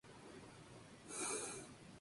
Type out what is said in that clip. Kratos era el único humano del grupo.